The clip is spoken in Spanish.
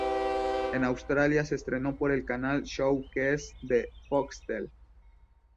En Australia se estrenó por el canal Showcase de Foxtel.